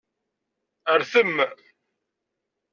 Rtem.